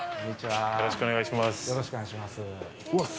よろしくお願いします。